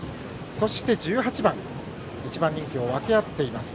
そして１８番１番人気を分け合っています。